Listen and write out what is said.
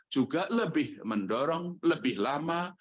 juga lebih mendorong lebih lama